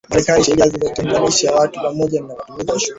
Marekani Sheria zilizotenganisha watu pamoja na matumizi ya shule